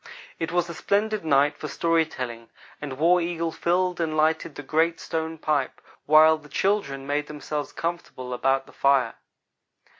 It was a splendid night for story telling, and War Eagle filled and lighted the great stone pipe, while the children made themselves comfortable about the fire.